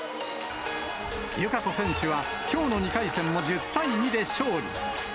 友香子選手はきょうの２回戦も１０対２で勝利。